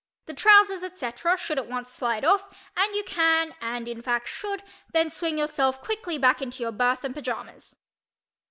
The trousers, etc., should at once slide off, and you can (and, in fact, should) then swing yourself quickly back into your berth and pajamas.